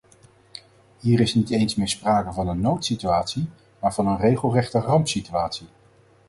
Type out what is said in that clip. Hier is niet eens meer sprake van een noodsituatie maar van een regelrechte rampsituatie!